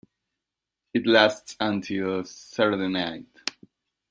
It lasts until Saturday night.